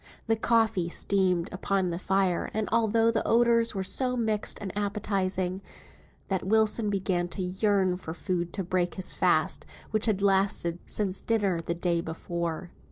The coffee steamed upon the fire, and altogether the odours were so mixed and appetising, that Wilson began to yearn for food to break his fast, which had lasted since dinner the day before.